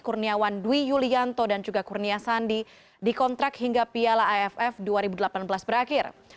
kurniawan dwi yulianto dan juga kurnia sandi dikontrak hingga piala aff dua ribu delapan belas berakhir